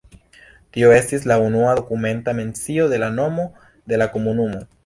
Tio estis la unua dokumenta mencio de la nomo de la komunumo.